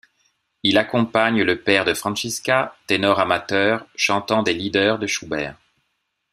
Il accompagne le père de Franziska, ténor amateur, chantant des lieder de Schubert.